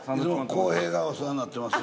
晃瓶がお世話になってます。